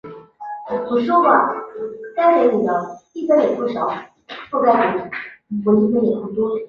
整个二次击穿过程只需要毫秒或微秒量级的时间就可以完成。